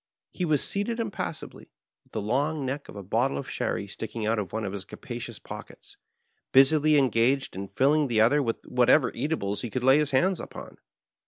He was seated impassively, with the long neck of a bottle of sherry sticking out of one of his capadons pockets, bnsily engaged in filling the other with whatever eatables he could lay his hands upon.